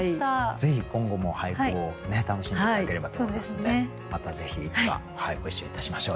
ぜひ今後も俳句を楽しんで頂ければと思いますのでまたぜひいつかご一緒いたしましょう。